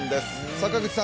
坂口さん